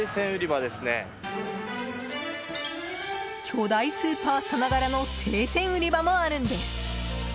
巨大スーパーさながらの生鮮売り場もあるんです。